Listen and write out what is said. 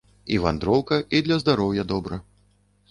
І вандроўка, і для здароўя добра.